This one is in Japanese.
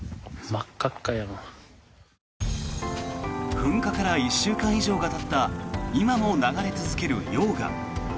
噴火から１週間以上がたった今も流れ続ける溶岩。